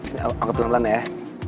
anggap pelan pelan ya